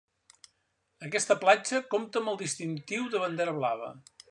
Aquesta platja compta amb el distintiu de bandera blava.